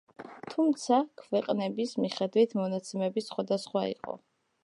თუმცა, ქვეყნების მიხედვით მონაცემები სხვადასხვა იყო.